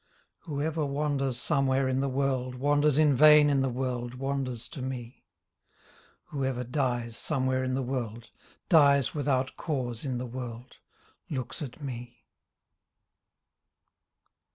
Whoever wanders somewhere in the world Wanders in vain in the world Wanders to me. Whoever dies somewhere in the world Dies without cause in the world Looks at me.